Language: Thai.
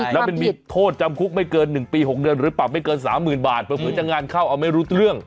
และมีโทษจำคุกไม่เกิน๑ปี๖เดือนหรือเปล่าไม่เกิน๓๐๐๐๐บาทเพราะผู้จังงานเข้าเอาไม่รู้เรื่อง